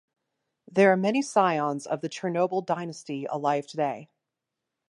There are many scions of the Chernobyl dynasty alive today.